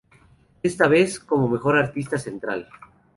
Esta vez como "Mejor Artista Central".